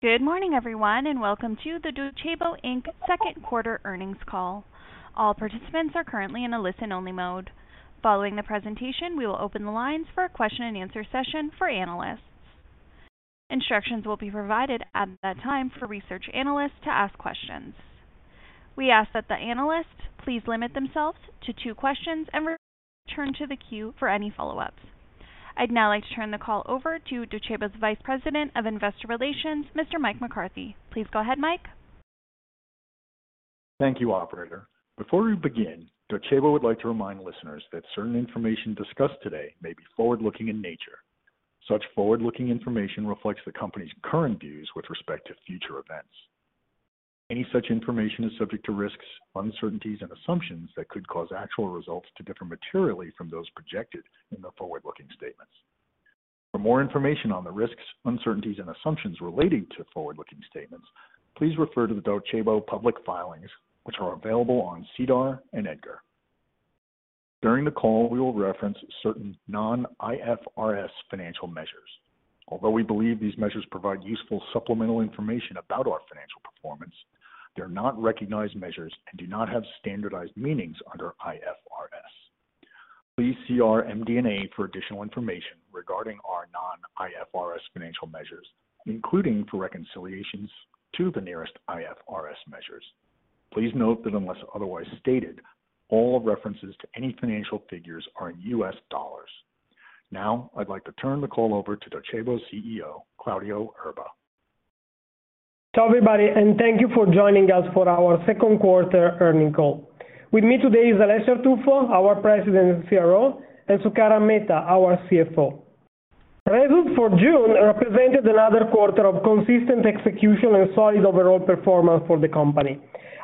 Good morning everyone, and welcome to the Docebo Inc second quarter earnings call. All participants are currently in a listen-only mode. Following the presentation, we will open the lines for a question-and-answer session for analysts. Instructions will be provided at that time for research analysts to ask questions. We ask that the analysts please limit themselves to two questions and return to the queue for any follow-ups. I'd now like to turn the call over to Docebo's Vice President of Investor Relations, Mr. Mike McCarthy. Please go ahead, Mike. Thank you, operator. Before we begin, Docebo would like to remind listeners that certain information discussed today may be forward-looking in nature. Such forward-looking information reflects the company's current views with respect to future events. Any such information is subject to risks, uncertainties, and assumptions that could cause actual results to differ materially from those projected in the forward-looking statements. For more information on the risks, uncertainties, and assumptions relating to forward-looking statements, please refer to the Docebo public filings, which are available on SEDAR and EDGAR. During the call, we will reference certain non-IFRS financial measures. Although we believe these measures provide useful supplemental information about our financial performance, they're not recognized measures and do not have standardized meanings under IFRS. Please see our MD&A for additional information regarding our non-IFRS financial measures, including for reconciliations to the nearest IFRS measures. Please note that unless otherwise stated, all references to any financial figures are in U.S. dollars. Now, I'd like to turn the call over to Docebo's CEO, Claudio Erba. Everybody, and thank you for joining us for our second quarter earnings call. With me today is Alessio Artuffo, our President and CRO, and Sukaran Mehta, our CFO. Results for June represented another quarter of consistent execution and solid overall performance for the company.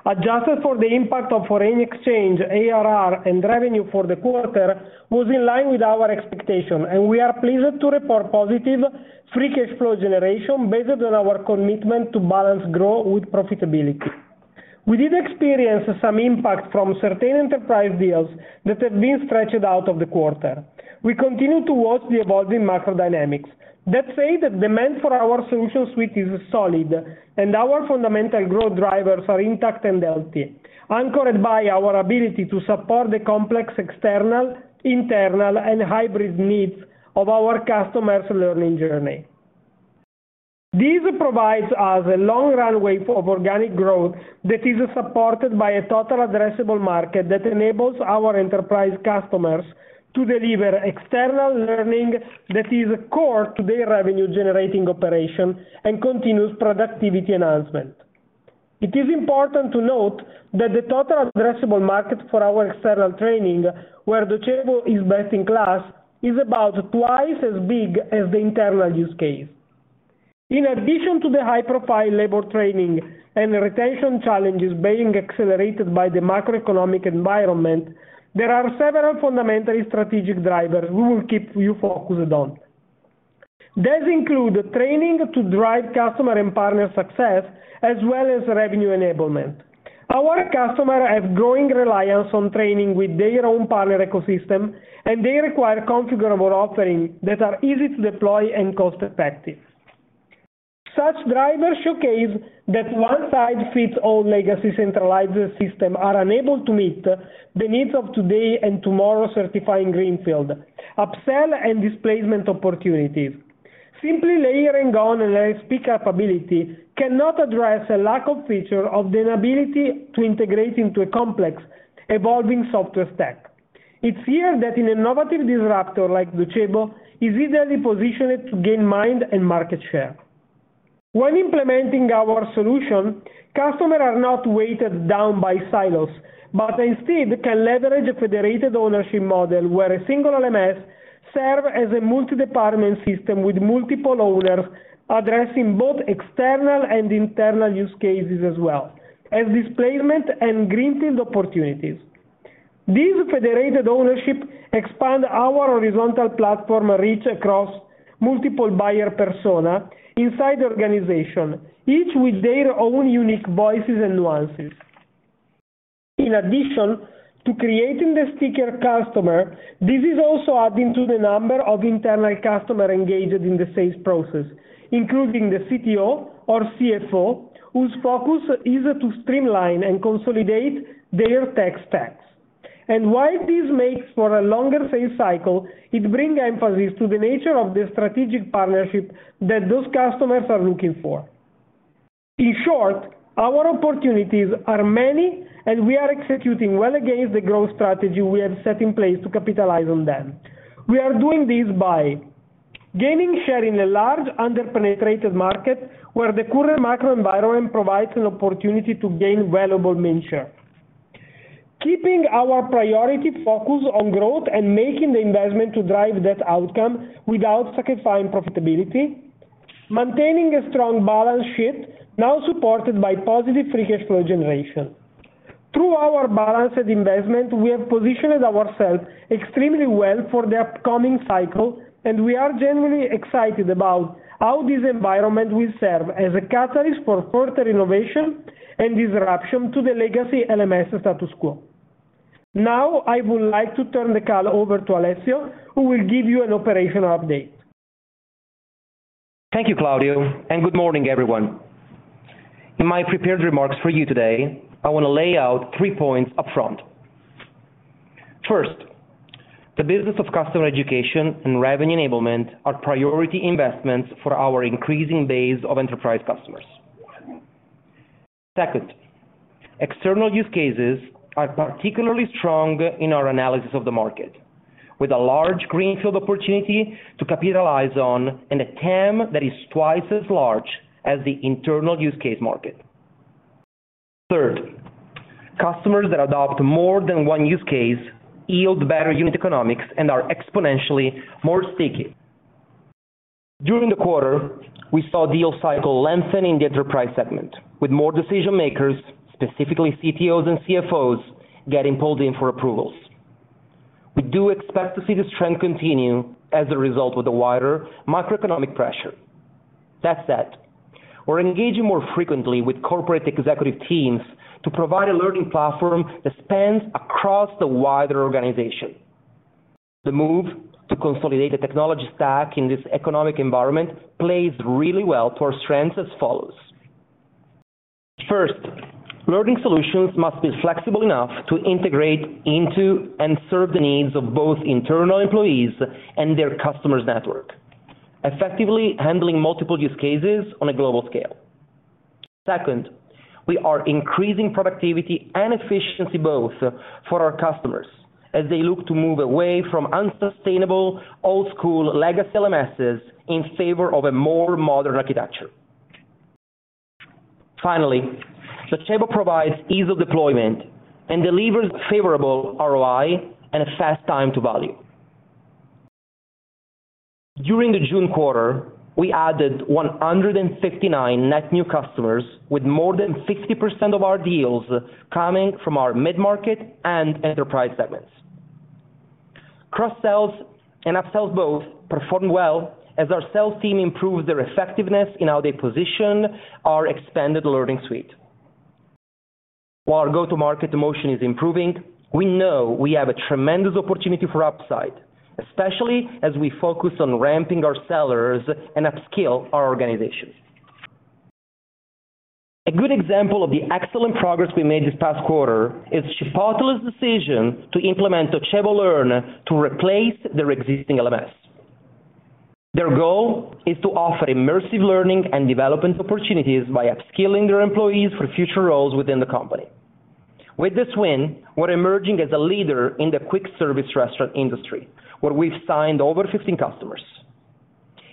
Adjusted for the impact of foreign exchange, ARR, and revenue for the quarter was in line with our expectation, and we are pleased to report positive free cash flow generation based on our commitment to balance growth with profitability. We did experience some impact from certain enterprise deals that have been stretched out of the quarter. We continue to watch the evolving macro dynamics. That said, the demand for our solution suite is solid and our fundamental growth drivers are intact and healthy, anchored by our ability to support the complex external, internal, and hybrid needs of our customers' learning journey. This provides us a long runway of organic growth that is supported by a total addressable market that enables our enterprise customers to deliver external learning that is core to their revenue-generating operation and continuous productivity enhancement. It is important to note that the total addressable market for our external training, where Docebo is best in class, is about twice as big as the internal use case. In addition to the high-profile labor training and retention challenges being accelerated by the macroeconomic environment, there are several fundamental strategic drivers we will keep you focused on. These include training to drive customer and partner success as well as revenue enablement. Our customers have growing reliance on training with their own partner ecosystem, and they require configurable offerings that are easy to deploy and cost-effective. Such drivers showcase that one-size-fits-all legacy centralized systems are unable to meet the needs of today and tomorrow's certified greenfield, upsell, and displacement opportunities. Simply layering on an MSP capability cannot address a lack of feature or the inability to integrate into a complex evolving software stack. It's here that an innovative disruptor like Docebo is ideally positioned to gain mindshare and market share. When implementing our solution, customers are not weighed down by silos, but instead can leverage a federated ownership model where a single LMS serves as a multi-department system with multiple owners addressing both external and internal use cases as well as displacement and greenfield opportunities. This federated ownership expands our horizontal platform reach across multiple buyer persona inside the organization, each with their own unique voices and nuances. In addition to creating the stickier customer, this is also adding to the number of internal customers engaged in the sales process, including the CTO or CFO, whose focus is to streamline and consolidate their tech stacks. While this makes for a longer sales cycle, it brings emphasis to the nature of the strategic partnership that those customers are looking for. In short, our opportunities are many, and we are executing well against the growth strategy we have set in place to capitalize on them. We are doing this by gaining share in a large under-penetrated market where the current macro environment provides an opportunity to gain valuable market share. Keeping our priorities focused on growth and making the investment to drive that outcome without sacrificing profitability. Maintaining a strong balance sheet now supported by positive free cash flow generation. Through our balanced investment, we have positioned ourselves extremely well for the upcoming cycle, and we are genuinely excited about how this environment will serve as a catalyst for further innovation and disruption to the legacy LMS status quo. Now I would like to turn the call over to Alessio, who will give you an operational update. Thank you, Claudio, and good morning, everyone. In my prepared remarks for you today, I wanna lay out three points upfront. First, the business of customer education and revenue enablement are priority investments for our increasing base of enterprise customers. Second, external use cases are particularly strong in our analysis of the market with a large greenfield opportunity to capitalize on and a TAM that is twice as large as the internal use case market. Third, customers that adopt more than one use case yield better unit economics and are exponentially more sticky. During the quarter, we saw deal cycle lengthen in the enterprise segment with more decision-makers, specifically CTOs and CFOs, getting pulled in for approvals. We do expect to see this trend continue as a result of the wider macroeconomic pressure. That said, we're engaging more frequently with corporate executive teams to provide a learning platform that spans across the wider organization. The move to consolidate the technology stack in this economic environment plays really well to our strengths as follows. First, learning solutions must be flexible enough to integrate into and serve the needs of both internal employees and their customers network, effectively handling multiple use cases on a global scale. Second, we are increasing productivity and efficiency both for our customers as they look to move away from unsustainable old-school legacy LMSs in favor of a more modern architecture. Finally, Docebo provides ease of deployment and delivers favorable ROI and a fast time to value. During the June quarter, we added 159 net new customers with more than 60% of our deals coming from our mid-market and enterprise segments. Cross-sells and upsells both performed well as our sales team improved their effectiveness in how they position our expanded learning suite. While our go-to-market motion is improving, we know we have a tremendous opportunity for upside, especially as we focus on ramping our sellers and upskill our organizations. A good example of the excellent progress we made this past quarter is Chipotle's decision to implement Docebo Learn to replace their existing LMS. Their goal is to offer immersive learning and development opportunities by upskilling their employees for future roles within the company. With this win, we're emerging as a leader in the quick-service restaurant industry, where we've signed over 15 customers.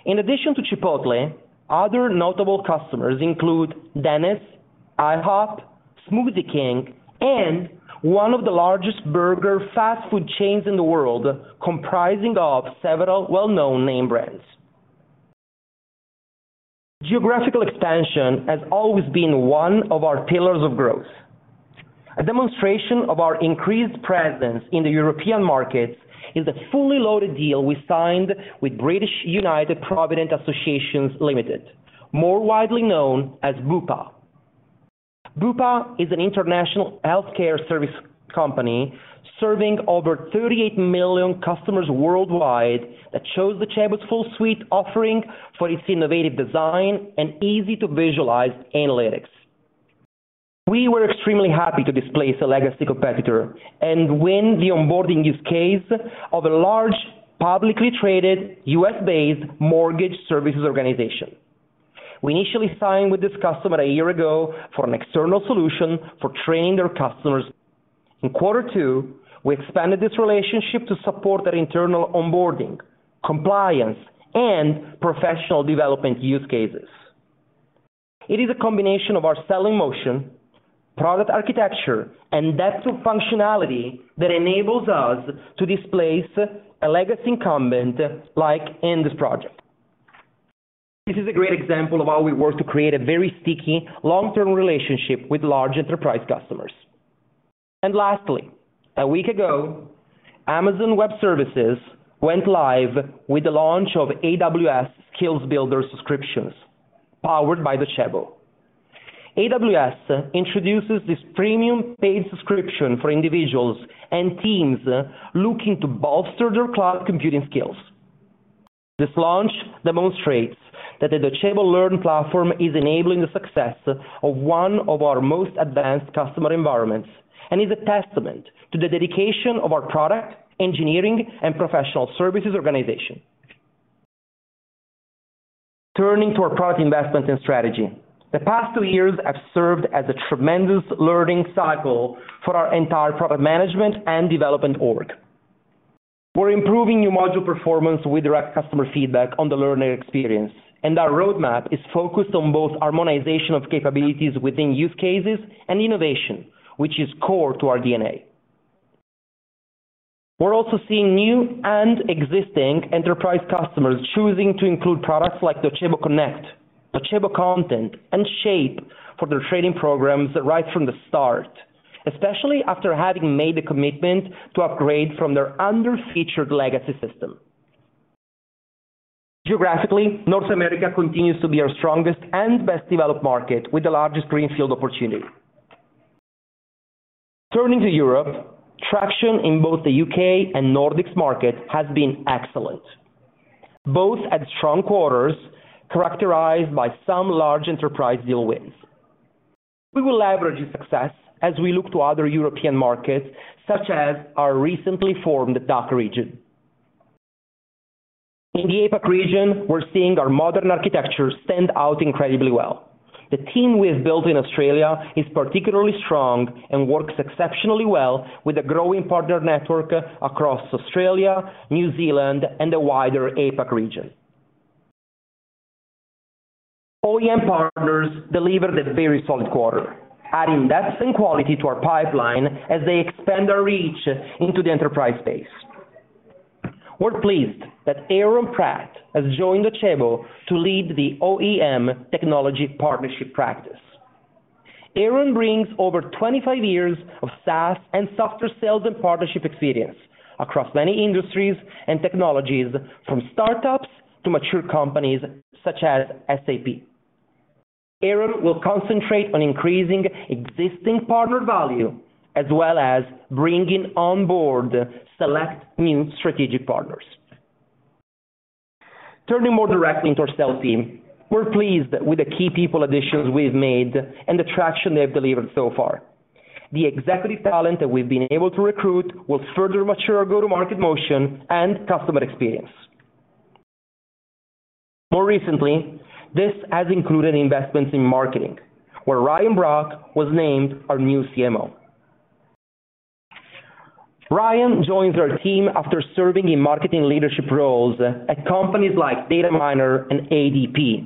In addition to Chipotle, other notable customers include Denny's, IHOP, Smoothie King, and one of the largest burger fast food chains in the world comprising of several well-known name brands. Geographical expansion has always been one of our pillars of growth. A demonstration of our increased presence in the European markets is the fully loaded deal we signed with British United Provident Association Limited, more widely known as Bupa. Bupa is an international healthcare service company serving over 38 million customers worldwide that chose Docebo's full suite offering for its innovative design and easy-to-visualize analytics. We were extremely happy to displace a legacy competitor and win the onboarding use case of a large, publicly traded U.S.-based mortgage services organization. We initially signed with this customer a year ago for an external solution for training their customers. In quarter two, we expanded this relationship to support their internal onboarding, compliance, and professional development use cases. It is a combination of our selling motion, product architecture, and depth of functionality that enables us to displace a legacy incumbent like in this project. This is a great example of how we work to create a very sticky long-term relationship with large enterprise customers. Lastly, a week ago, Amazon Web Services went live with the launch of AWS Skill Builder subscriptions powered by Docebo. AWS introduces this premium paid subscription for individuals and teams looking to bolster their cloud computing skills. This launch demonstrates that the Docebo Learn platform is enabling the success of one of our most advanced customer environments and is a testament to the dedication of our product, engineering, and professional services organization. Turning to our product investment and strategy. The past two years have served as a tremendous learning cycle for our entire product management and development org. We're improving new module performance with direct customer feedback on the learner experience, and our roadmap is focused on both harmonization of capabilities within use cases and innovation, which is core to our DNA. We're also seeing new and existing enterprise customers choosing to include products like Docebo Connect, Docebo Content, and Docebo Shape for their training programs right from the start, especially after having made the commitment to upgrade from their under-featured legacy system. Geographically, North America continues to be our strongest and best developed market with the largest greenfield opportunity. Turning to Europe, traction in both the U.K. and Nordics market has been excellent, both at strong quarters characterized by some large enterprise deal wins. We will leverage the success as we look to other European markets such as our recently formed DACH region. In the APAC region, we're seeing our modern architecture stand out incredibly well. The team we have built in Australia is particularly strong and works exceptionally well with a growing partner network across Australia, New Zealand and the wider APAC region. OEM partners delivered a very solid quarter, adding depth and quality to our pipeline as they expand our reach into the enterprise space. We're pleased that Aaron Pratt has joined Docebo to lead the OEM technology partnership practice. Aaron brings over 25 years of SaaS and software sales and partnership experience across many industries and technologies, from startups to mature companies such as SAP. Aaron will concentrate on increasing existing partner value as well as bringing onboard select new strategic partners. Turning more directly to our sales team, we're pleased with the key people additions we've made and the traction they've delivered so far. The executive talent that we've been able to recruit will further mature go-to-market motion and customer experience. More recently, this has included investments in marketing, where Ryan Brock was named our new CMO. Ryan joins our team after serving in marketing leadership roles at companies like Dataminr and ADP.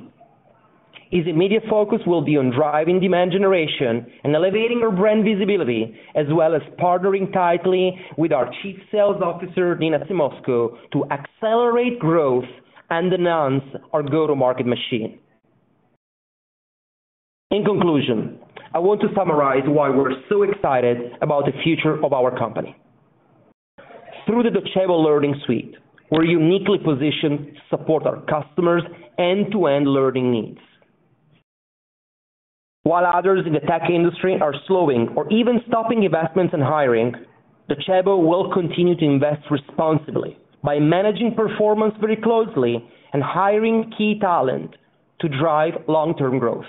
His immediate focus will be on driving demand generation and elevating our brand visibility as well as partnering tightly with our Chief Sales Officer, Nina Simosko, to accelerate growth and enhance our go-to-market machine. In conclusion, I want to summarize why we're so excited about the future of our company. Through the Docebo Learning Suite, we're uniquely positioned to support our customers end-to-end learning needs. While others in the tech industry are slowing or even stopping investments and hiring, Docebo will continue to invest responsibly by managing performance very closely and hiring key talent to drive long-term growth.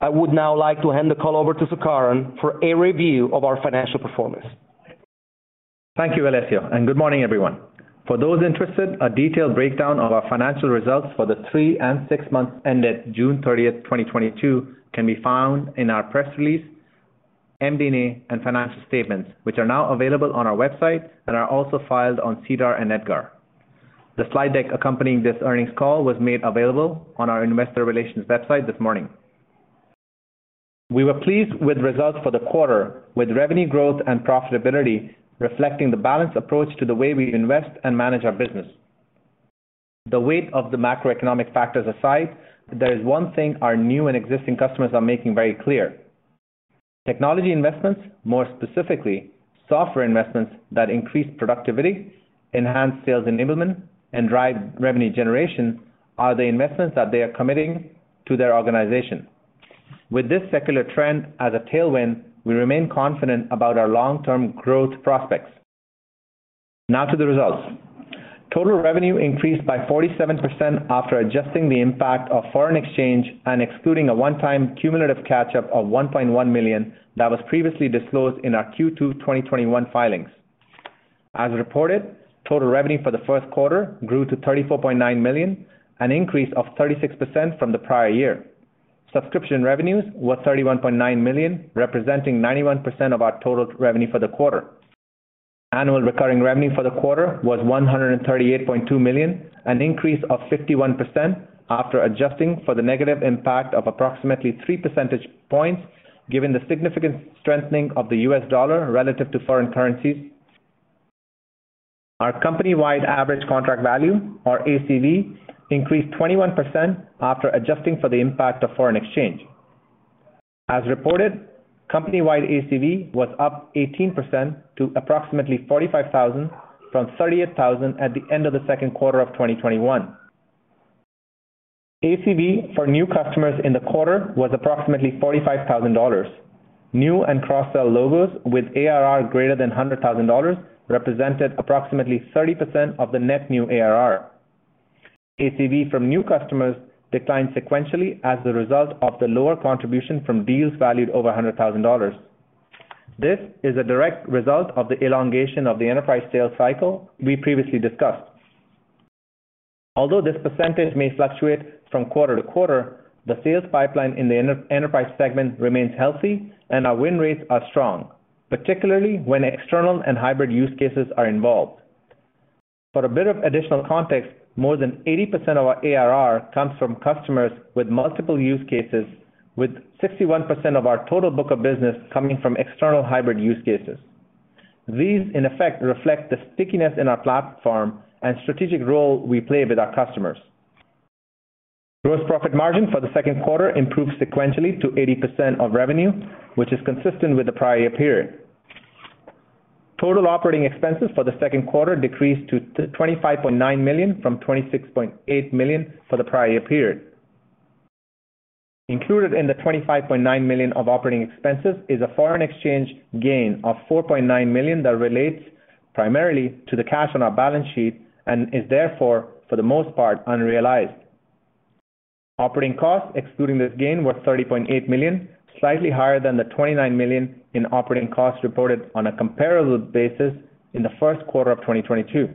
I would now like to hand the call over to Sukaran for a review of our financial performance. Thank you, Alessio, and good morning, everyone. For those interested, a detailed breakdown of our financial results for the three and six months ended June 30th, 2022 can be found in our press release, MD&A, and financial statements, which are now available on our website and are also filed on SEDAR and EDGAR. The slide deck accompanying this earnings call was made available on our investor relations website this morning. We were pleased with results for the quarter, with revenue growth and profitability reflecting the balanced approach to the way we invest and manage our business. The weight of the macroeconomic factors aside, there is one thing our new and existing customers are making very clear. Technology investments, more specifically, software investments that increase productivity, enhance sales enablement, and drive revenue generation are the investments that they are committing to their organization. With this secular trend as a tailwind, we remain confident about our long-term growth prospects. Now to the results. Total revenue increased by 47% after adjusting the impact of foreign exchange and excluding a one-time cumulative catch-up of $1.1 million that was previously disclosed in our Q2 2021 filings. As reported, total revenue for the first quarter grew to $34.9 million, an increase of 36% from the prior year. Subscription revenues was $31.9 million, representing 91% of our total revenue for the quarter. Annual recurring revenue for the quarter was $138.2 million, an increase of 51% after adjusting for the negative impact of approximately three percentage points, given the significant strengthening of the U.S. dollar relative to foreign currencies. Our company-wide average contract value, or ACV, increased 21% after adjusting for the impact of foreign exchange. As reported, company-wide ACV was up 18% to approximately $45,000 from $38,000 at the end of the second quarter of 2021. ACV for new customers in the quarter was approximately $45,000. New and cross-sell logos with ARR greater than $100,000 represented approximately 30% of the net new ARR. ACV from new customers declined sequentially as the result of the lower contribution from deals valued over $100,000. This is a direct result of the elongation of the enterprise sales cycle we previously discussed. Although this percentage may fluctuate from quarter to quarter, the sales pipeline in the enterprise segment remains healthy and our win rates are strong, particularly when external and hybrid use cases are involved. For a bit of additional context, more than 80% of our ARR comes from customers with multiple use cases, with 61% of our total book of business coming from external hybrid use cases. These, in effect, reflect the stickiness in our platform and strategic role we play with our customers. Gross profit margin for the second quarter improved sequentially to 80% of revenue, which is consistent with the prior year period. Total operating expenses for the second quarter decreased to $25.9 million from $26.8 million for the prior year period. Included in the $25.9 million of operating expenses is a foreign exchange gain of $4.9 million that relates primarily to the cash on our balance sheet and is therefore, for the most part, unrealized. Operating costs excluding this gain was $30.8 million, slightly higher than the $29 million in operating costs reported on a comparable basis in the first quarter of 2022.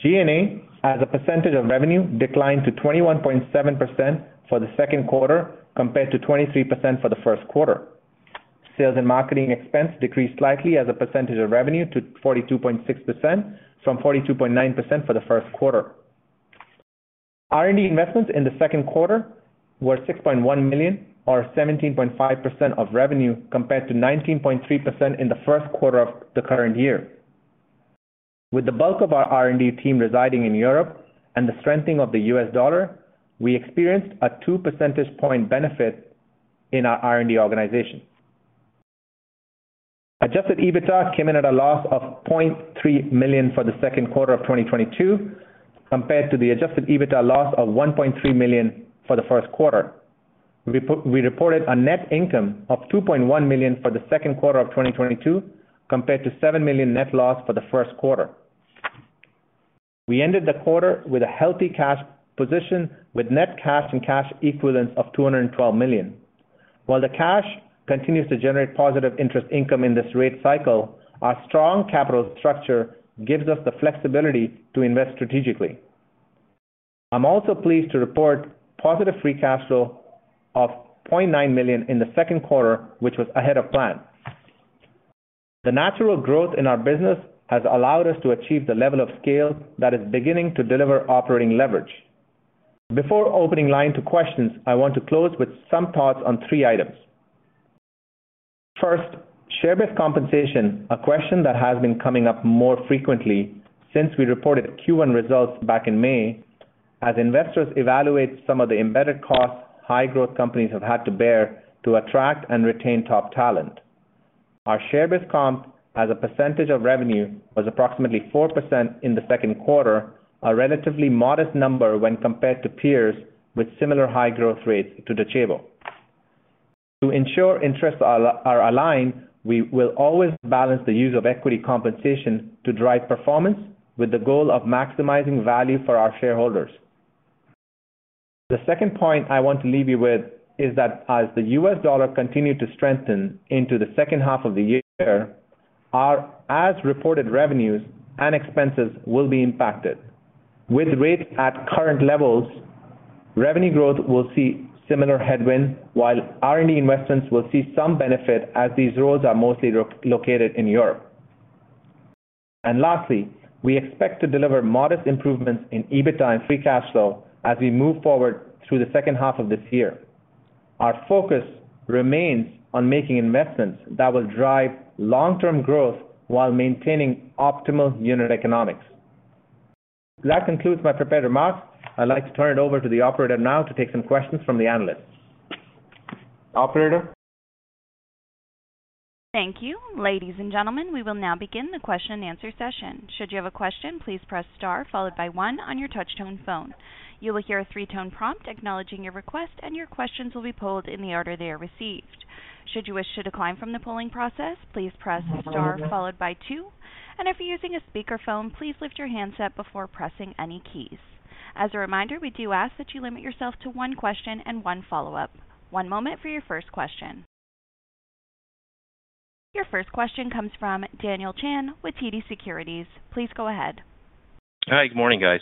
G&A as a percentage of revenue declined to 21.7% for the second quarter compared to 23% for the first quarter. Sales and marketing expense decreased slightly as a percentage of revenue to 42.6% from 42.9% for the first quarter. R&D investments in the second quarter were $6.1 million or 17.5% of revenue, compared to 19.3% in the first quarter of the current year. With the bulk of our R&D team residing in Europe and the strengthening of the U.S. dollar, we experienced a 2 percentage point benefit in our R&D organization. Adjusted EBITDA came in at a loss of $0.3 million for the second quarter of 2022, compared to the adjusted EBITDA loss of $1.3 million for the first quarter. We reported a net income of $2.1 million for the second quarter of 2022, compared to $7 million net loss for the first quarter. We ended the quarter with a healthy cash position with net cash and cash equivalents of $212 million. While the cash continues to generate positive interest income in this rate cycle, our strong capital structure gives us the flexibility to invest strategically. I'm also pleased to report positive free cash flow of $0.9 million in the second quarter, which was ahead of plan. The natural growth in our business has allowed us to achieve the level of scale that is beginning to deliver operating leverage. Before opening the line to questions, I want to close with some thoughts on three items. First, share-based compensation, a question that has been coming up more frequently since we reported Q1 results back in May as investors evaluate some of the embedded costs high-growth companies have had to bear to attract and retain top talent. Our share-based comp as a percentage of revenue was approximately 4% in the second quarter, a relatively modest number when compared to peers with similar high-growth rates at the table. To ensure interests are aligned, we will always balance the use of equity compensation to drive performance with the goal of maximizing value for our shareholders. The second point I want to leave you with is that as the U.S. dollar continues to strengthen into the second half of the year, our as-reported revenues and expenses will be impacted. With rates at current levels, revenue growth will see similar headwind while R&D investments will see some benefit as these roles are mostly located in Europe. Lastly, we expect to deliver modest improvements in EBITDA and free cash flow as we move forward through the second half of this year. Our focus remains on making investments that will drive long-term growth while maintaining optimal unit economics. That concludes my prepared remarks. I'd like to turn it over to the operator now to take some questions from the analysts. Operator? Thank you. Ladies and gentlemen, we will now begin the question and answer session. Should you have a question, please press star followed by one on your touch-tone phone. You will hear a three-tone prompt acknowledging your request, and your questions will be pulled in the order they are received. Should you wish to decline from the polling process, please press star followed by two, and if you're using a speakerphone, please lift your handset before pressing any keys. As a reminder, we do ask that you limit yourself to one question and one follow-up. One moment for your first question. Your first question comes from Daniel Chan with TD Securities. Please go ahead. Hi. Good morning, guys.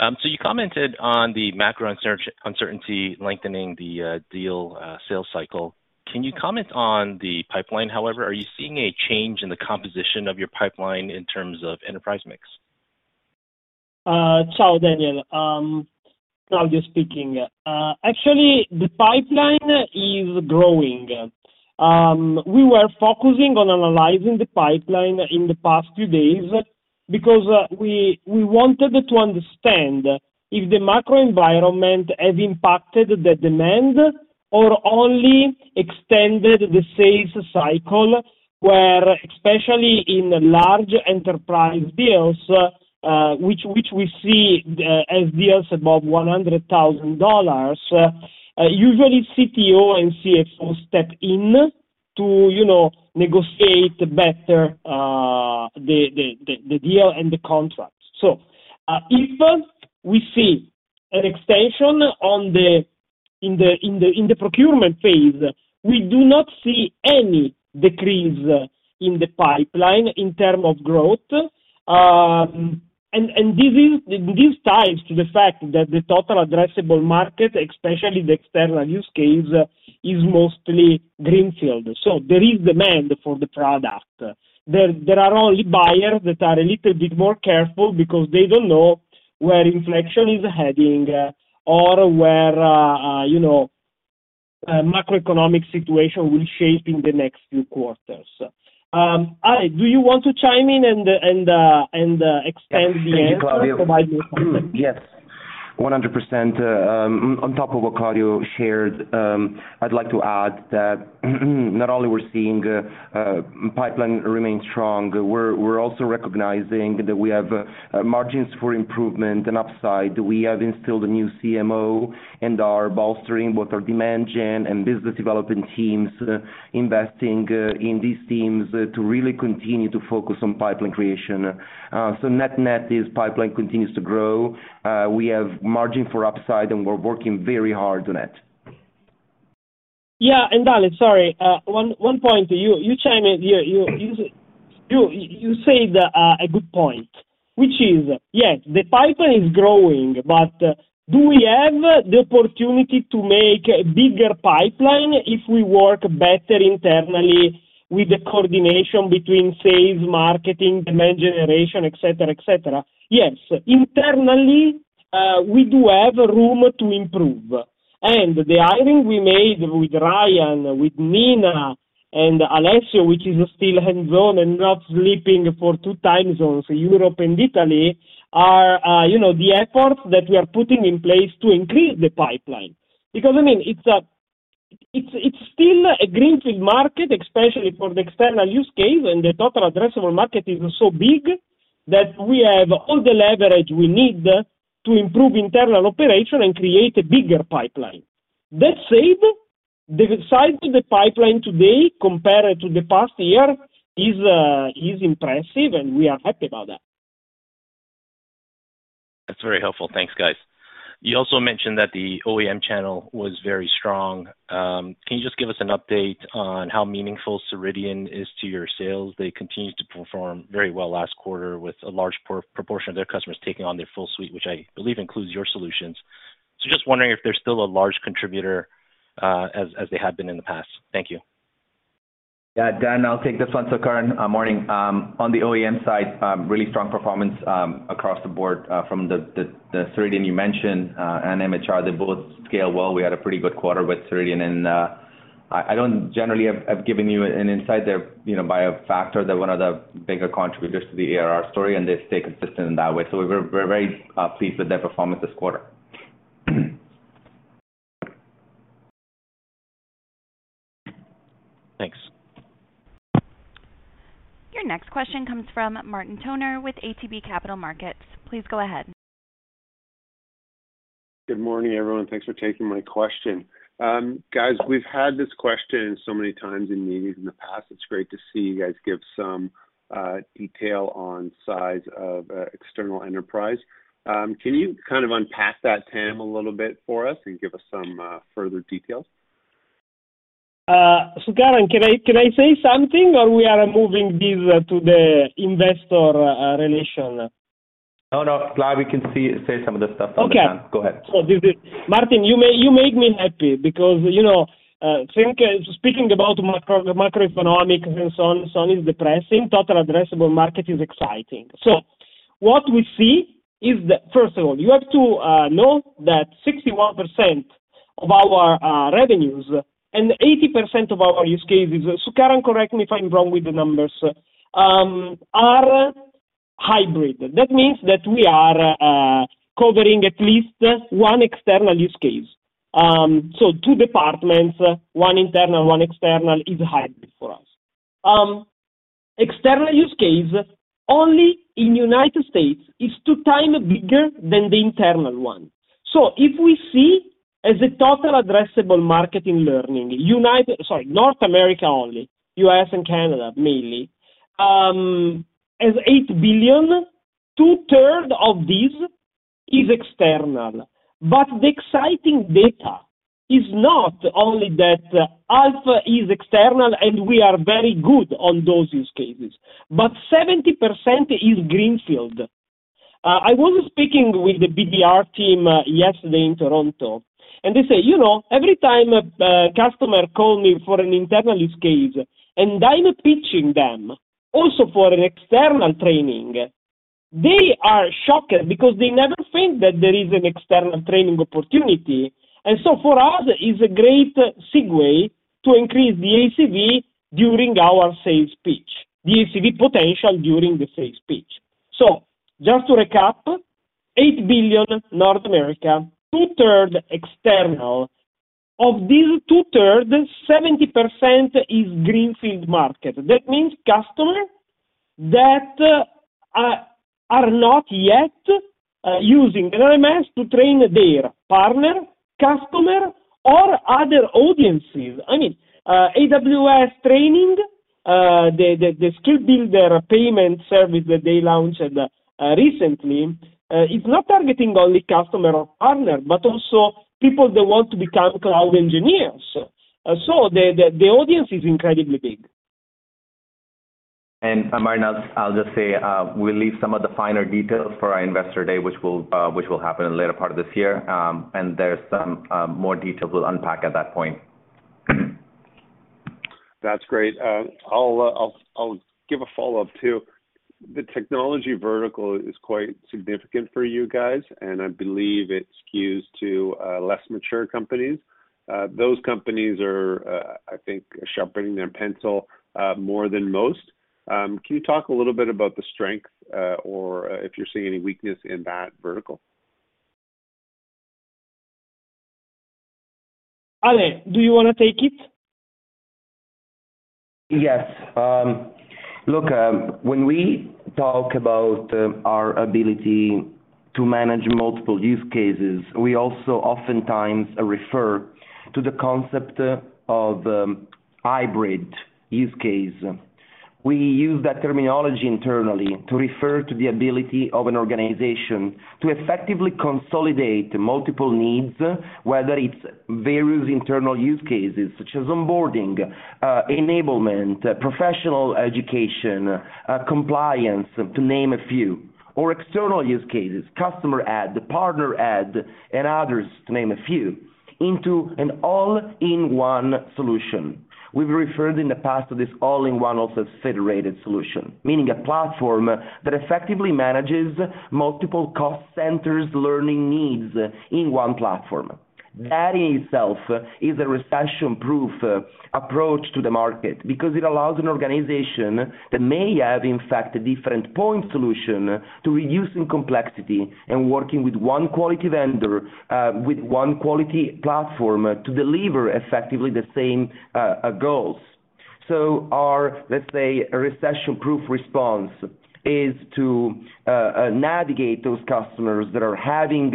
You commented on the macro uncertainty lengthening the deal sales cycle. Can you comment on the pipeline, however? Are you seeing a change in the composition of your pipeline in terms of enterprise mix? Ciao, Daniel, Claudio speaking. Actually, the pipeline is growing. We were focusing on analyzing the pipeline in the past few days because we wanted to understand if the macro environment has impacted the demand or only extended the sales cycle, where especially in large enterprise deals, which we see as deals above $100,000, usually CTO and CFO step in to, you know, negotiate better the deal and the contract. If we see an extension in the procurement phase, we do not see any decrease in the pipeline in terms of growth. And this ties to the fact that the total addressable market, especially the external use case, is mostly greenfield. There is demand for the product. There are only buyers that are a little bit more careful because they don't know where inflection is heading, or where, you know, macroeconomic situation will shape in the next few quarters. Ale, do you want to chime in and expand the answer- Yes. Thank you, Claudio. Provide your context? Yes, 100%. On top of what Claudio shared, I'd like to add that not only we're seeing pipeline remain strong, we're also recognizing that we have margins for improvement and upside. We have instilled a new CMO and are bolstering both our demand gen and business development teams, investing in these teams to really continue to focus on pipeline creation. Net-net, pipeline continues to grow. We have margin for upside, and we're working very hard on it. Yeah. Dan, sorry, one point. You said a good point, which is, yes, the pipeline is growing, but do we have the opportunity to make a bigger pipeline if we work better internally with the coordination between sales, marketing, demand generation, et cetera? Yes. Internally, we do have room to improve. The hiring we made with Ryan, with Nina and Alessio, which is still hands-on and not sleeping for two time zones, Europe and Italy are the efforts that we are putting in place to increase the pipeline. Because, I mean, it's still a greenfield market, especially for the external use case, and the total addressable market is so big that we have all the leverage we need to improve internal operation and create a bigger pipeline. That said, the size of the pipeline today compared to the past year is impressive, and we are happy about that. That's very helpful. Thanks, guys. You also mentioned that the OEM channel was very strong. Can you just give us an update on how meaningful Ceridian is to your sales? They continued to perform very well last quarter with a large proportion of their customers taking on their full suite, which I believe includes your solutions. Just wondering if they're still a large contributor, as they have been in the past. Thank you. Yeah. Daniel, I'll take this one. Sukaran, morning. On the OEM side, really strong performance across the board from the Ceridian you mentioned and MHR, they both scale well. We had a pretty good quarter with Ceridian, and I don't generally have given you an insight there, you know, by a factor. They're one of the bigger contributors to the ARR story, and they stay consistent in that way. We're very pleased with their performance this quarter. Thanks. Your next question comes from Martin Toner with ATB Capital Markets. Please go ahead. Good morning, everyone. Thanks for taking my question. Guys, we've had this question so many times in meetings in the past. It's great to see you guys give some detail on size of Extended Enterprise. Can you kind of unpack that TAM a little bit for us and give us some further details? Sukaran, can I say something, or we are moving this to the investor relations? No, no. Claudio, you can say some of the stuff on the TAM. Okay. Go ahead. Martin, you make me happy because, you know, speaking about the macroeconomic and so on is depressing. Total addressable market is exciting. What we see is that, first of all, you have to know that 61% of our revenues and 80% of our use cases, so Sukaran, correct me if I'm wrong with the numbers, are hybrid. That means that we are covering at least one external use case. Two departments, one internal, one external, is hybrid for us. External use case only in United States is 2x bigger than the internal one. If we see as a total addressable market in learning, North America only, U.S. and Canada mainly, as $8 billion, two-thirds of this is external. The exciting data is not only that half is external, and we are very good on those use cases, but 70% is greenfield. I was speaking with the BDR team yesterday in Toronto, and they say, "You know, every time a customer call me for an internal use case and I'm pitching them also for an external training, they are shocked because they never think that there is an external training opportunity." For us, it's a great segue to increase the ACV during our sales pitch, the ACV potential during the sales pitch. Just to recap, $8 billion North America, two-thirds external. Of this two-thirds, 70% is greenfield market. That means customer that are not yet using LMS to train their partner, customer, or other audiences. I mean, AWS training, the Skill Builder payment service that they launched recently is not targeting only customer or partner, but also people that want to become cloud engineers. The audience is incredibly big. Martin, I'll just say we'll leave some of the finer details for our Investor Day, which will happen in the later part of this year, and there's some more details we'll unpack at that point. That's great. I'll give a follow-up too. The technology vertical is quite significant for you guys, and I believe it skews to less mature companies. Those companies are, I think, sharpening their pencil more than most. Can you talk a little bit about the strength or if you're seeing any weakness in that vertical? Ale, do you wanna take it? Yes. Look, when we talk about our ability to manage multiple use cases, we also oftentimes refer to the concept of hybrid use case. We use that terminology internally to refer to the ability of an organization to effectively consolidate multiple needs, whether it's various internal use cases such as onboarding, enablement, professional education, compliance, to name a few, or external use cases, customer education, partner education, and others, to name a few, into an all-in-one solution. We've referred in the past to this all-in-one, also federated solution, meaning a platform that effectively manages multiple cost centers' learning needs in one platform. That in itself is a recession-proof approach to the market because it allows an organization that may have, in fact, a different point solution to reducing complexity and working with one quality vendor, with one quality platform to deliver effectively the same goals. Our, let's say, a recession-proof response is to navigate those customers that are having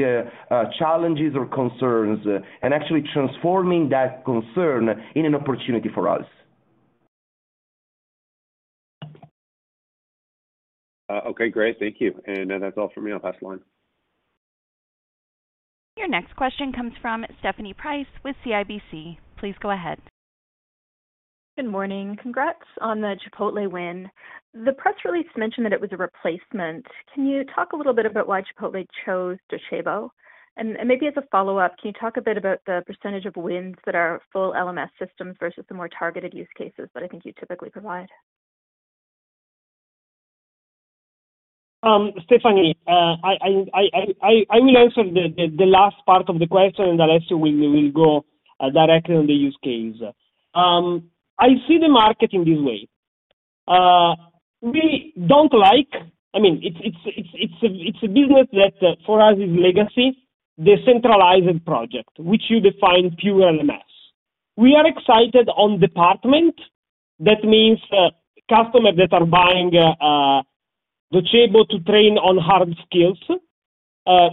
challenges or concerns and actually transforming that concern into an opportunity for us. Okay, great. Thank you. That's all for me. I'll pass the line. Your next question comes from Stephanie Price with CIBC. Please go ahead. Good morning. Congrats on the Chipotle win. The press release mentioned that it was a replacement. Can you talk a little bit about why Chipotle chose Docebo? Maybe as a follow-up, can you talk a bit about the percentage of wins that are full LMS systems versus the more targeted use cases that I think you typically provide? Stephanie, I will answer the last part of the question, and Alessio we will go directly on the use case. I see the market in this way. We don't like. I mean, it's a business that for us is legacy, the centralizing project, which you define as pure LMS. We are excited about departmental. That means, customers that are buying Docebo to train on hard skills.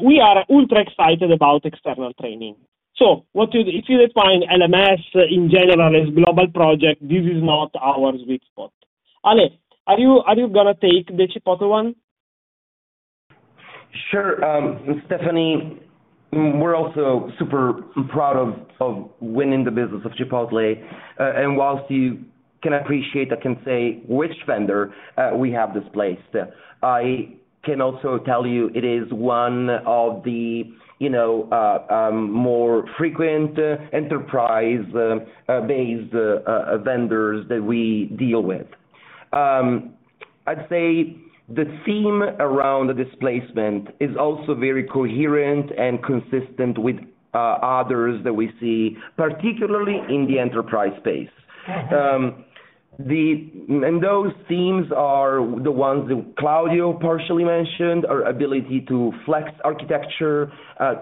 We are ultra excited about external training. So if you define LMS in general as global project, this is not our sweet spot. Ale, are you gonna take the Chipotle one? Sure. Stephanie, we're also super proud of winning the business of Chipotle. While you can appreciate, I can't say which vendor we have displaced. I can also tell you it is one of the, you know, more frequent enterprise-based vendors that we deal with. I'd say the theme around the displacement is also very coherent and consistent with others that we see, particularly in the enterprise space. Those themes are the ones that Claudio partially mentioned, our ability to flex architecture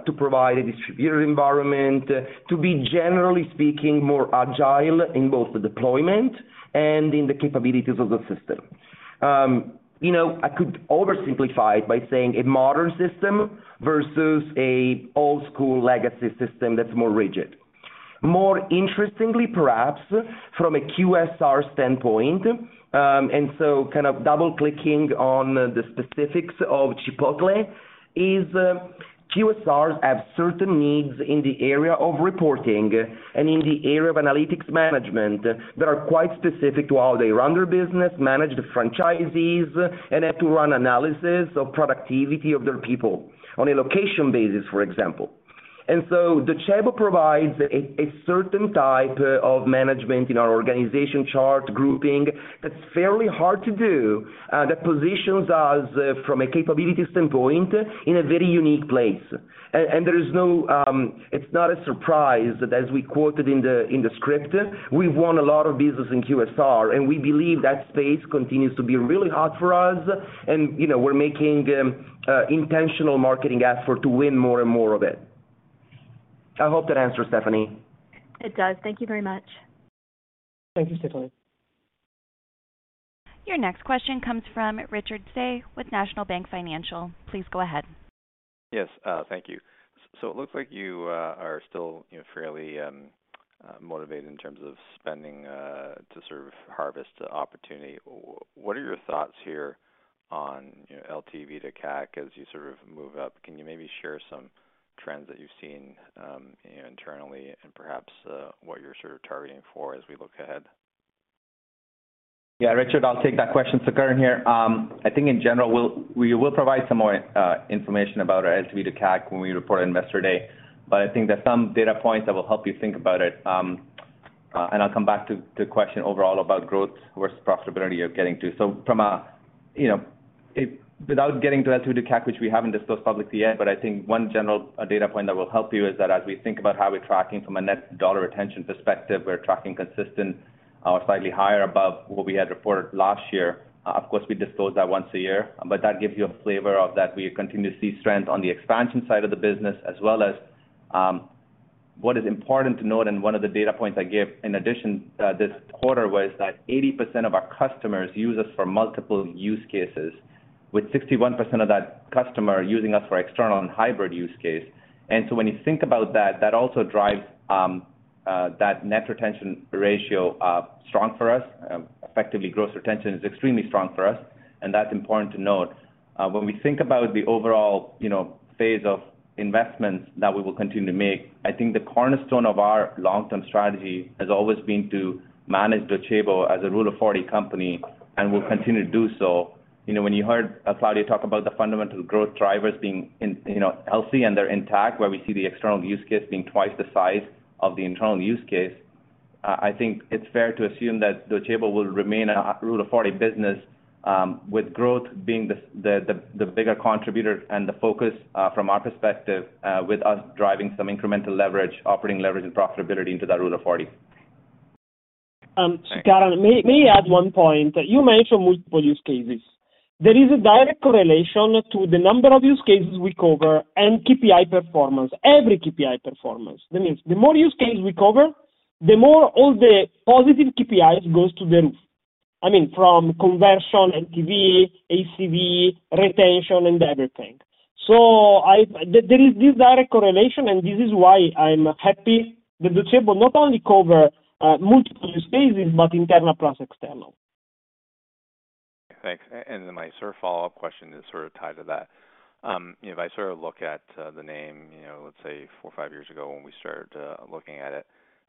to provide a distributed environment, to be, generally speaking, more agile in both the deployment and in the capabilities of the system. You know, I could oversimplify it by saying a modern system versus an old school legacy system that's more rigid. More interestingly, perhaps, from a QSR standpoint, and so kind of double-clicking on the specifics of Chipotle, is QSRs have certain needs in the area of reporting and in the area of analytics management that are quite specific to how they run their business, manage the franchisees, and have to run analysis of productivity of their people on a location basis, for example. Docebo provides a certain type of management in our organization chart grouping that's fairly hard to do, that positions us from a capability standpoint in a very unique place. There is no, it's not a surprise that as we quoted in the script, we've won a lot of business in QSR, and we believe that space continues to be really hot for us, and, you know, we're making intentional marketing effort to win more and more of it. I hope that answers, Stephanie. It does. Thank you very much. Thank you, Stephanie. Your next question comes from Richard Tse with National Bank Financial. Please go ahead. Yes, thank you. It looks like you are still, you know, fairly motivated in terms of spending to sort of harvest opportunity. What are your thoughts here on, you know, LTV to CAC as you sort of move up? Can you maybe share some trends that you've seen internally and perhaps what you're sort of targeting for as we look ahead? Yeah, Richard, I'll take that question. Sukaran here. I think in general, we will provide some more information about our LTV to CAC when we report Investor Day. I think there's some data points that will help you think about it. I'll come back to question overall about growth versus profitability you're getting to. From a, you know, it without getting to that LTV to CAC, which we haven't disclosed publicly yet, but I think one general data point that will help you is that as we think about how we're tracking from a net dollar retention perspective, we're tracking consistent or slightly higher above what we had reported last year. Of course, we disclose that once a year, but that gives you a flavor of that we continue to see strength on the expansion side of the business as well as, what is important to note, and one of the data points I gave in addition, this quarter was that 80% of our customers use us for multiple use cases, with 61% of that customer using us for external and hybrid use case. When you think about that also drives, that net retention ratio strong for us. Effectively, gross retention is extremely strong for us, and that's important to note. When we think about the overall, you know, phase of investments that we will continue to make, I think the cornerstone of our long-term strategy has always been to manage Docebo as a Rule of 40 company and will continue to do so. You know, when you heard Claudio talk about the fundamental growth drivers being, you know, healthy and they're intact, where we see the external use case being twice the size of the internal use case, I think it's fair to assume that Docebo will remain a Rule of 40 business, with growth being the bigger contributor and the focus from our perspective, with us driving some incremental leverage, operating leverage and profitability into that Rule of 40. Sukaran, may I add one point? You mentioned multiple use cases. There is a direct correlation to the number of use cases we cover and KPI performance, every KPI performance. That means the more use case we cover, the more all the positive KPIs goes to the roof. I mean, from conversion, LTV, ACV, retention, and everything. There is this direct correlation, and this is why I'm happy that Docebo not only cover multiple use cases, but internal plus external. Thanks. My sort of follow-up question is sort of tied to that. If I sort of look at the name, you know, let's say four or five years ago when we started looking at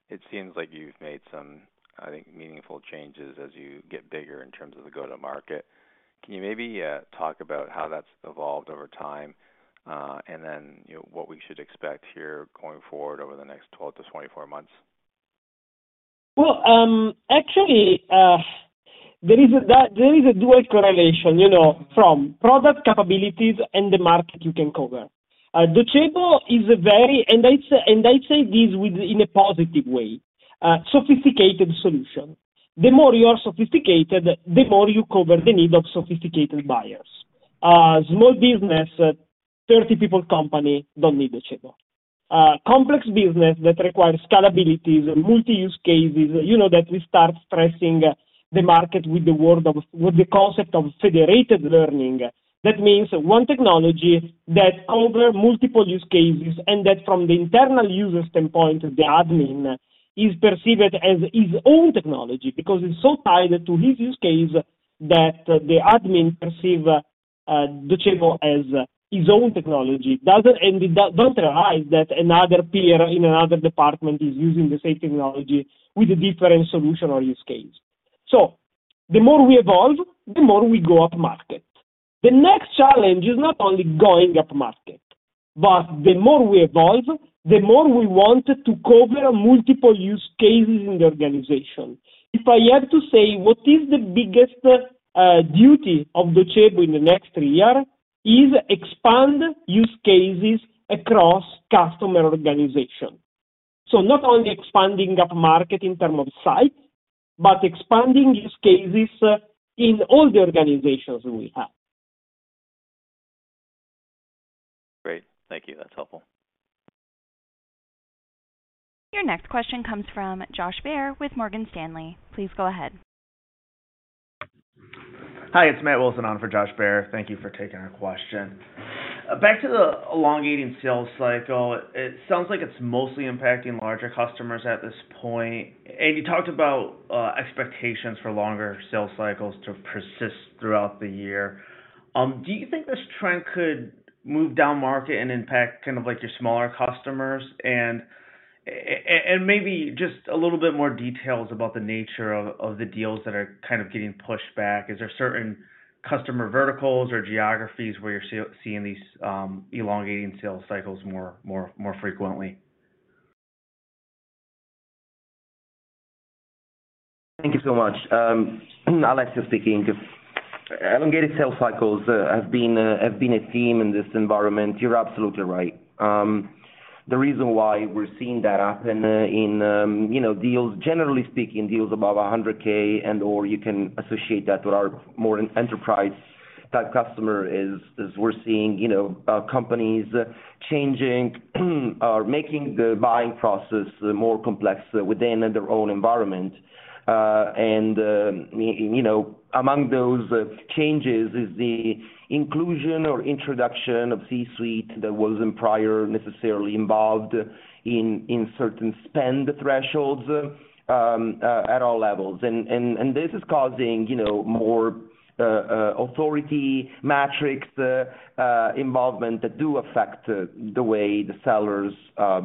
it seems like you've made some, I think, meaningful changes as you get bigger in terms of the go-to-market. Can you maybe talk about how that's evolved over time, and then, you know, what we should expect here going forward over the next 12-24 months? Well, actually, there is a dual correlation, you know, from product capabilities and the market you can cover. Docebo is a very, and I'd say this in a positive way, sophisticated solution. The more you are sophisticated, the more you cover the need of sophisticated buyers. Small business, 30-people company don't need Docebo. Complex business that requires scalabilities and multi-use cases, you know, that we start stressing the market with the concept of federated learning. That means one technology that cover multiple use cases and that from the internal user standpoint, the admin is perceived as his own technology because it's so tied to his use case that the admin perceive Docebo as his own technology. He don't realize that another peer in another department is using the same technology with a different solution or use case. The more we evolve, the more we go up market. The next challenge is not only going up market, but the more we evolve, the more we want to cover multiple use cases in the organization. If I had to say what is the biggest duty of Docebo in the next three year is expand use cases across customer organization. Not only expanding up market in terms of size, but expanding use cases in all the organizations we have. Great. Thank you. That's helpful. Your next question comes from Josh Baer with Morgan Stanley. Please go ahead. Hi, it's Matt Wilson on for Josh Baer. Thank you for taking our question. Back to the elongating sales cycle, it sounds like it's mostly impacting larger customers at this point. You talked about expectations for longer sales cycles to persist throughout the year. Do you think this trend could move down market and impact kind of like your smaller customers? And maybe just a little bit more details about the nature of the deals that are kind of getting pushed back. Is there certain customer verticals or geographies where you're seeing these elongating sales cycles more frequently? Thank you so much. Alessio speaking. Elongated sales cycles have been a theme in this environment. You're absolutely right. The reason why we're seeing that happen in you know, deals, generally speaking, deals above $100K and/or you can associate that with our more enterprise-type customer is we're seeing you know, companies changing or making the buying process more complex within their own environment. And you know, among those changes is the inclusion or introduction of C-suite that wasn't prior necessarily involved in certain spend thresholds at all levels. This is causing you know, more authority matrix involvement that affect the way the sellers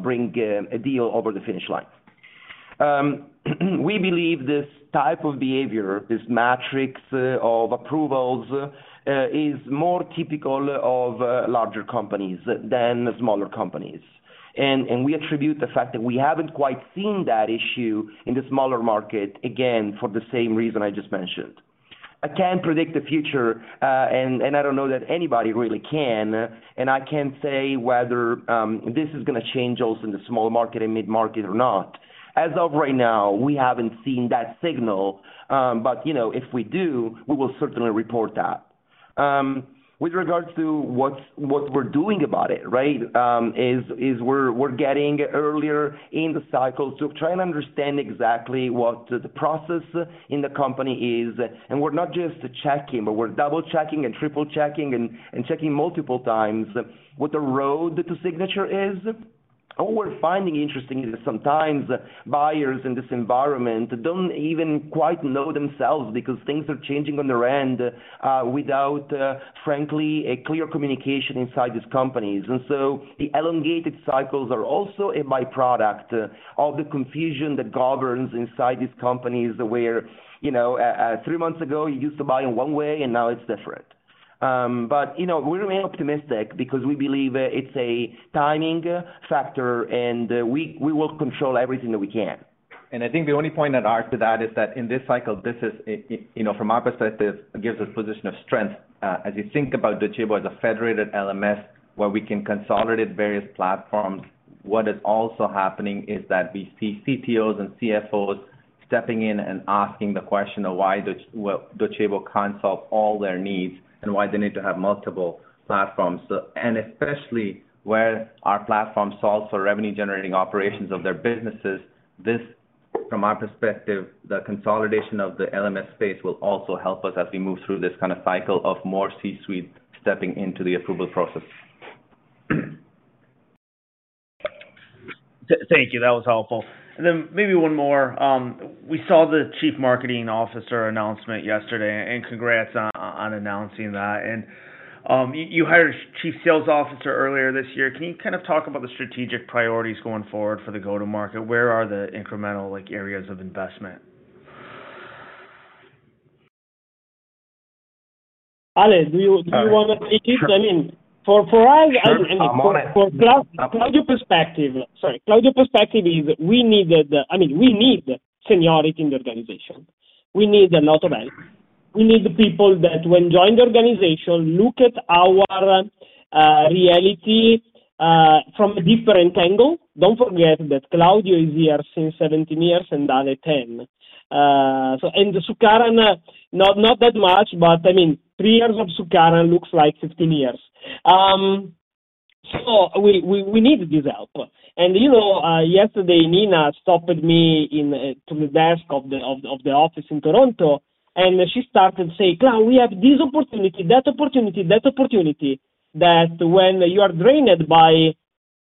bring a deal over the finish line. We believe this type of behavior, this matrix of approvals, is more typical of larger companies than the smaller companies. We attribute the fact that we haven't quite seen that issue in the smaller market, again, for the same reason I just mentioned. I can't predict the future, and I don't know that anybody really can, and I can't say whether this is gonna change also in the small market and mid-market or not. As of right now, we haven't seen that signal, but you know, if we do, we will certainly report that. With regards to what we're doing about it, right? We're getting earlier in the cycle to try and understand exactly what the process in the company is. We're not just checking, but we're double-checking and triple-checking and checking multiple times what the road to signature is. What we're finding interesting is that sometimes buyers in this environment don't even quite know themselves because things are changing on their end, without, frankly, a clear communication inside these companies. The elongated cycles are also a by-product of the confusion that governs inside these companies where, you know, three months ago, you used to buy in one way, and now it's different. We remain optimistic because we believe it's a timing factor, and we will control everything that we can. I think the only point I'd add to that is that in this cycle, this is, you know, from our perspective, gives us position of strength. As you think about Docebo as a federated LMS where we can consolidate various platforms, what is also happening is that we see CTOs and CFOs stepping in and asking the question of why Docebo can't solve all their needs and why they need to have multiple platforms. Especially where our platform solves for revenue-generating operations of their businesses. This, from our perspective, the consolidation of the LMS space will also help us as we move through this kinda cycle of more C-suite stepping into the approval process. Thank you. That was helpful. Maybe one more. We saw the chief marketing officer announcement yesterday, and congrats on announcing that. You hired a chief sales officer earlier this year. Can you kind of talk about the strategic priorities going forward for the go-to-market? Where are the incremental like areas of investment? Ale, do you wanna take it? I mean, for us. Sure. Sure, I'm on it. From Claudio's perspective. Sorry. Claudio's perspective is we need, I mean, we need seniority in the organization. We need a lot of help. We need the people that when joining the organization, look at our reality from a different angle. Don't forget that Claudio is here since 17 years and Alessio, 10. The Sukaran, not that much, but I mean, three years of Sukaran looks like 15 years. We need this help. You know, yesterday, Nina stopped me to the desk of the office in Toronto, and she started saying, "Claudio, we have this opportunity, that opportunity," that when you are drained by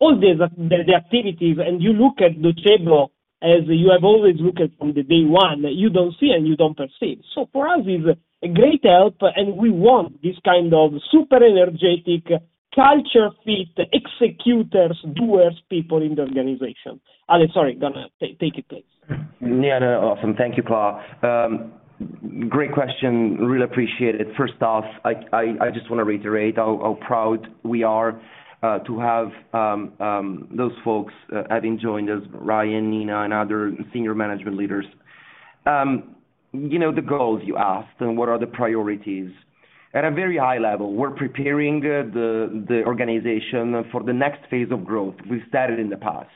all these the activities and you look at Docebo as you have always looked at from the day one, you don't see and you don't perceive. For us, it's a great help, and we want this kind of super energetic culture fit, executors, doers people in the organization. Ale, sorry. Go on. Take it, please. Yeah, no, awesome. Thank you, Clau. Great question. Really appreciate it. First off, I just wanna reiterate how proud we are to have those folks having joined us, Ryan, Nina, and other senior management leaders. You know, the goals you asked and what are the priorities. At a very high level, we're preparing the organization for the next phase of growth. We've said it in the past.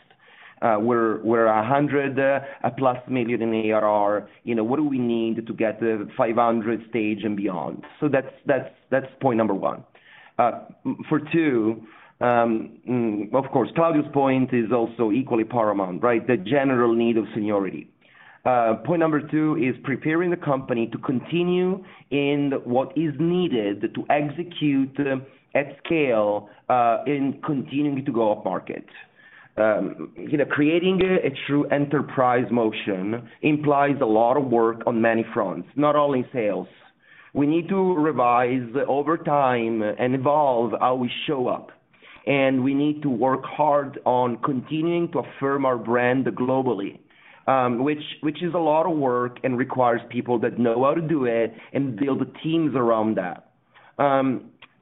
We're $100+ million in ARR. You know, what do we need to get the 500 stage and beyond? That's point number one. Number two, of course, Claudio's point is also equally paramount, right? The general need of seniority. Point number two is preparing the company to continue in what is needed to execute at scale, and continuing to go up market. You know, creating a true enterprise motion implies a lot of work on many fronts, not only sales. We need to revise over time and evolve how we show up, and we need to work hard on continuing to affirm our brand globally, which is a lot of work and requires people that know how to do it and build teams around that.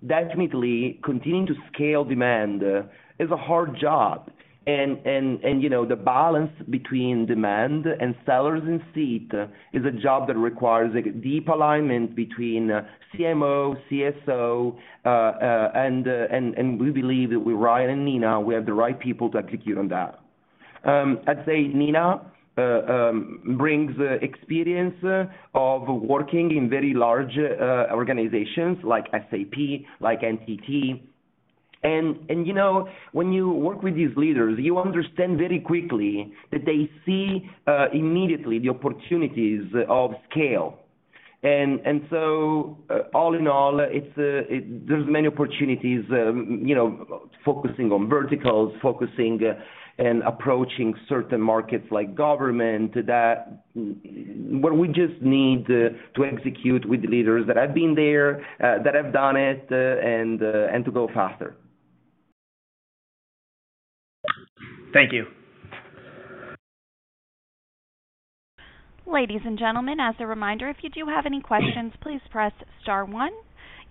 Definitely continuing to scale demand is a hard job. You know, the balance between demand and sellers in seat is a job that requires a deep alignment between CMO and CSO, and we believe that with Ryan and Nina, we have the right people to execute on that. I'd say Nina brings experience of working in very large organizations like SAP, like NTT. You know, when you work with these leaders, you understand very quickly that they see immediately the opportunities of scale. All in all, there's many opportunities, you know, focusing on verticals, focusing and approaching certain markets like government that where we just need to execute with leaders that have been there, that have done it, and to go faster. Thank you. Ladies and gentlemen, as a reminder, if you do have any questions, please press star one.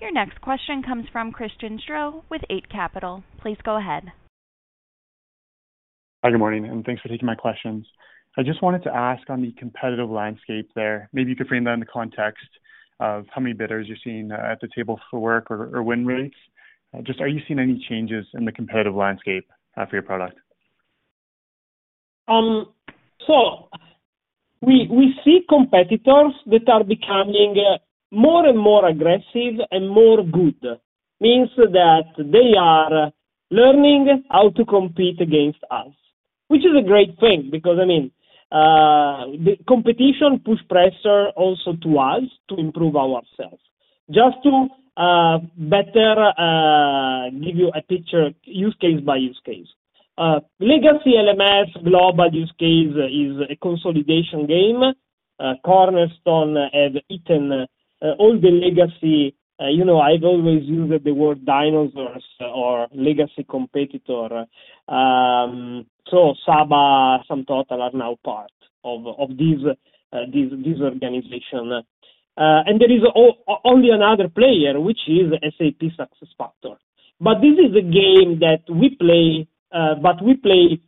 Your next question comes from Christian Sgro with Eight Capital. Please go ahead. Hi, good morning, and thanks for taking my questions. I just wanted to ask on the competitive landscape there, maybe you could frame that in the context of how many bidders you're seeing at the table for work or win rates. Just are you seeing any changes in the competitive landscape for your product? We see competitors that are becoming more and more aggressive and better. That means that they are learning how to compete against us, which is a great thing because, I mean, the competition puts pressure also on us to improve ourselves. Just to better give you a picture, use case by use case. Legacy LMS global use case is a consolidation game. Cornerstone had eaten all the legacy. You know, I've always used the word dinosaurs or legacy competitor. Saba, SumTotal are now part of this organization. There is only another player, which is SAP SuccessFactors. This is a game that we play, but we play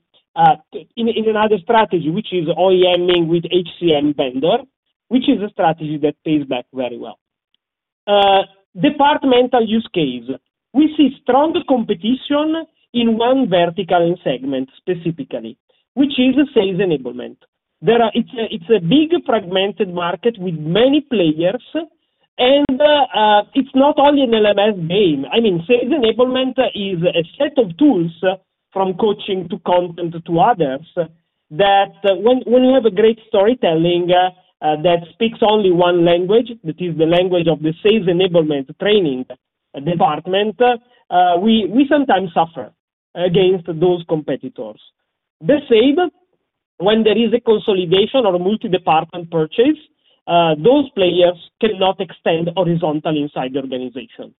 in another strategy, which is OEM-ing with HCM vendor, which is a strategy that pays back very well. Departmental use case. We see strong competition in one vertical segment specifically, which is sales enablement. It's a big fragmented market with many players and it's not only an LMS game. I mean, sales enablement is a set of tools from coaching to content to others, that when you have a great storytelling that speaks only one language, that is the language of the sales enablement training department, we sometimes suffer against those competitors. The same when there is a consolidation or a multi-department purchase, those players cannot extend horizontally inside the organization.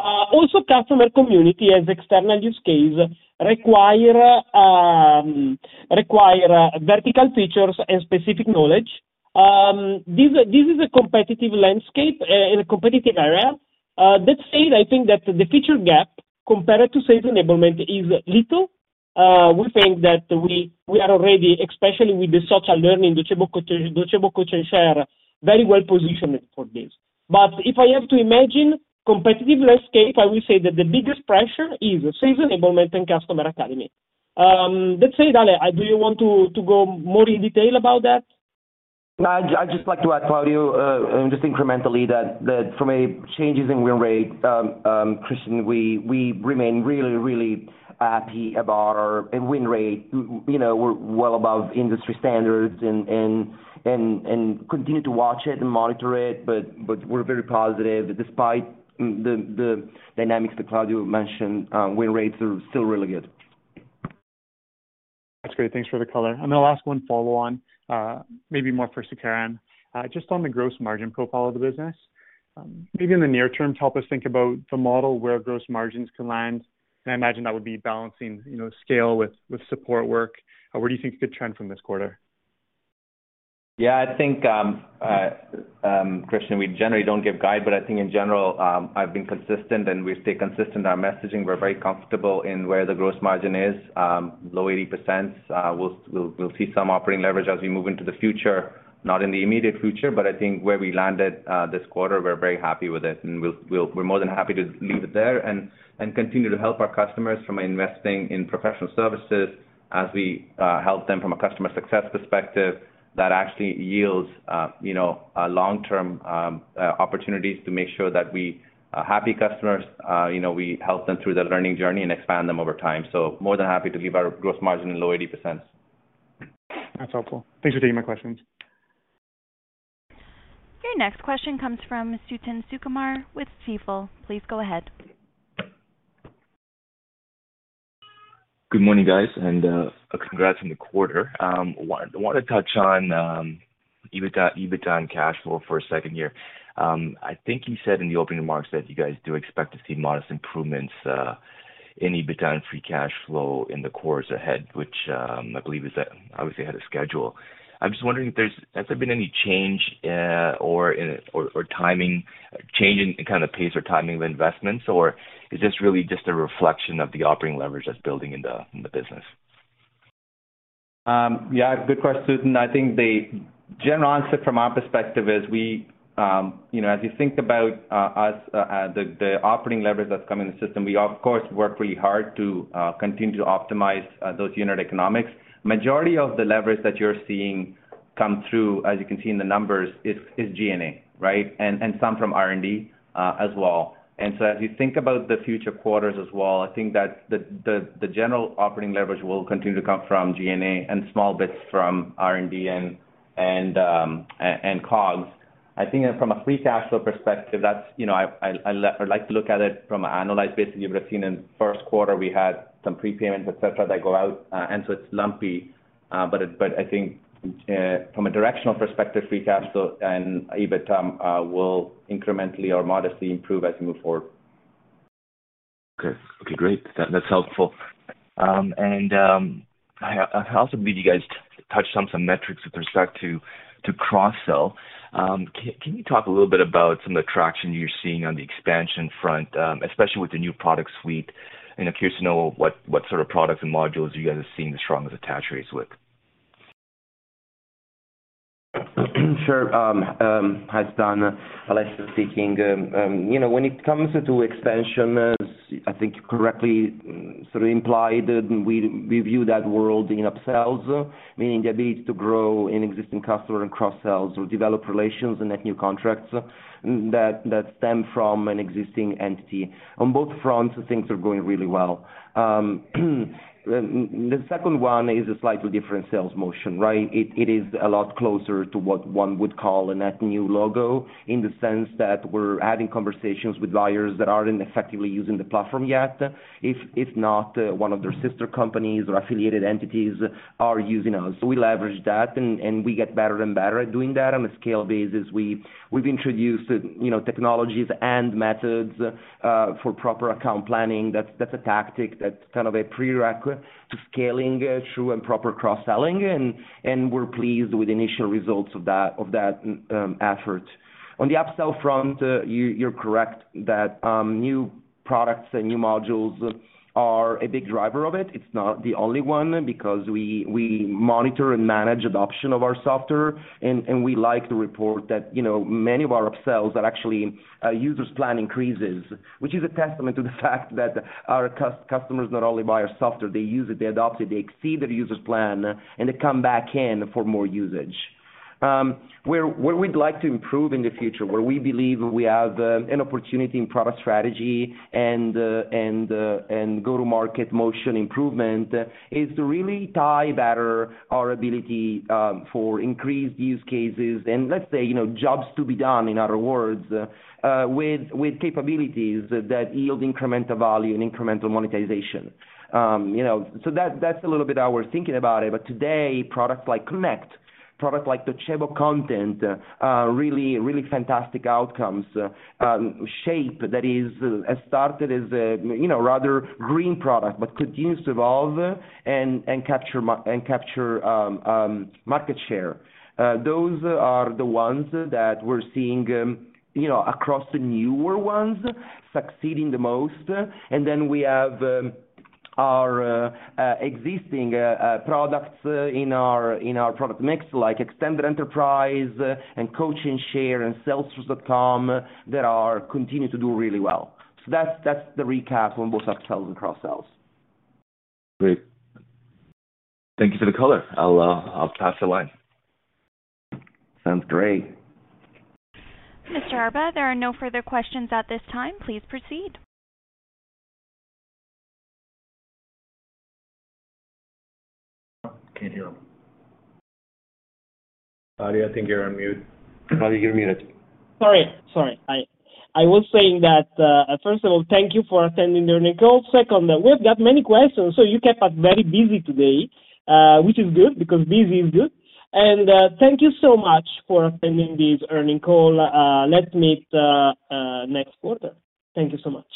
Also customer community as external use case require vertical features and specific knowledge. This is a competitive landscape and a competitive area. That said, I think that the feature gap compared to sales enablement is little. We think that we are already, especially with the social learning, Docebo Coach & Share, very well positioned for this. If I have to imagine competitive landscape, I will say that the biggest pressure is sales enablement and customer academy. That said, Ale, do you want to go more in detail about that? No, I'd just like to add, Claudio, just incrementally that from the changes in win rate, Christian, we remain really happy about our win rate. You know, we're well above industry standards and continue to watch it and monitor it, but we're very positive. Despite the dynamics that Claudio mentioned, win rates are still really good. That's great. Thanks for the color. Last one follow on, maybe more for Sukaran. Just on the gross margin profile of the business, maybe in the near term to help us think about the model where gross margins can land. I imagine that would be balancing, you know, scale with support work. Where do you think it could trend from this quarter? Yeah, I think, Christian, we generally don't give guidance, but I think in general, I've been consistent and we stay consistent in our messaging. We're very comfortable in where the gross margin is, low 80%. We'll see some operating leverage as we move into the future, not in the immediate future, but I think where we landed this quarter, we're very happy with it, and we're more than happy to leave it there and continue to help our customers by investing in professional services as we help them from a customer success perspective that actually yields you know long-term opportunities to make sure that we happy customers you know we help them through their learning journey and expand them over time. More than happy to leave our gross margin in low 80%. That's helpful. Thanks for taking my questions. Your next question comes from Suthan Sukumar with Stifel. Please go ahead. Good morning, guys, and congrats on the quarter. Want to touch on EBITDA and cash flow for a second here. I think you said in the opening remarks that you guys do expect to see modest improvements in EBITDA and free cash flow in the quarters ahead, which I believe is obviously ahead of schedule. I'm just wondering if there has been any change, or change in kind of pace or timing of investments, or is this really just a reflection of the operating leverage that's building in the business? Yeah, good question, Suthan. I think the general answer from our perspective is we, you know, as you think about us, the operating leverage that's come in the system, we of course work pretty hard to continue to optimize those unit economics. Majority of the leverage that you're seeing come through, as you can see in the numbers, is G&A, right? Some from R&D, as well. As you think about the future quarters as well, I think that the general operating leverage will continue to come from G&A and small bits from R&D and COGS. I think from a free cash flow perspective, that's, you know, I'd like to look at it from an annualized basis. You would have seen in first quarter we had some prepayments, et cetera, that go out, and so it's lumpy. I think, from a directional perspective, free cash flow and EBITDA will incrementally or modestly improve as we move forward. Okay, great. That's helpful. I also believe you guys touched on some metrics with respect to cross-sell. Can you talk a little bit about some of the traction you're seeing on the expansion front, especially with the new product suite? Curious to know what sort of products and modules you guys are seeing the strongest attach rates with. Sure. Suthan, Alessio speaking. You know, when it comes to expansion, as I think you correctly sort of implied, we view that world in upsells, meaning the ability to grow an existing customer and cross-sells or develop relations and net new contracts that stem from an existing entity. On both fronts, things are going really well. The second one is a slightly different sales motion, right? It is a lot closer to what one would call a net new logo in the sense that we're having conversations with buyers that aren't effectively using the platform yet, if not one of their sister companies or affiliated entities are using us. So we leverage that and we get better and better at doing that on a scalable basis. We've introduced, you know, technologies and methods for proper account planning. That's a tactic that's kind of a prerequisite to scaling true and proper cross-selling, and we're pleased with the initial results of that effort. On the upsell front, you're correct that new products and new modules are a big driver of it. It's not the only one because we monitor and manage adoption of our software and we like to report that, you know, many of our upsells are actually a user's plan increases, which is a testament to the fact that our customers not only buy our software, they use it, they adopt it, they exceed their user's plan, and they come back in for more usage. Where we'd like to improve in the future, where we believe we have an opportunity in product strategy and go-to-market motion improvement is to really tie better our ability for increased use cases and let's say, you know, jobs to be done in other words, with capabilities that yield incremental value and incremental monetization. You know, that's a little bit how we're thinking about it. Today, products like Connect, products like the Docebo Content, are really fantastic outcomes. Shape, that is, started as a you know rather green product but continues to evolve and capture market share. Those are the ones that we're seeing, you know, across the newer ones succeeding the most. We have our existing products in our product mix like Extended Enterprise and Coach & Share and Salesforce.com that are continuing to do really well. That's the recap on both upsells and cross-sells. Great. Thank you for the color. I'll pass the line. Sounds great. Mr. Erba, there are no further questions at this time. Please proceed. Can't hear him. Claudio, I think you're on mute. Claudio, you're muted. Sorry. I was saying that first of all, thank you for attending the earnings call. Second, we've got many questions. So you kept us very busy today, which is good because busy is good. Thank you so much for attending this earnings call. Let's meet next quarter. Thank you so much.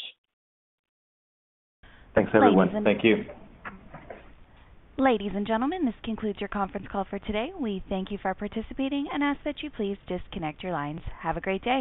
Thanks, everyone. Ladies and. Thank you. Ladies and gentlemen, this concludes your conference call for today. We thank you for participating and ask that you please disconnect your lines. Have a great day.